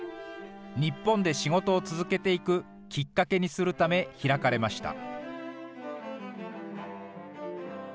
日本で仕事を続けていくきっかけにするため開かれました。